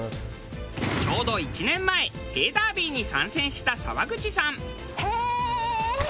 ちょうど１年前へぇダービーに参戦した沢口さん。